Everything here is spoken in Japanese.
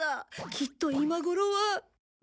きっと今頃は。